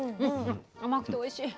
甘くておいしい。